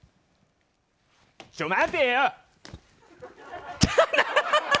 ちょ待てよ！